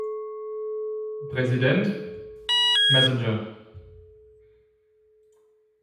Präsident: Msgr.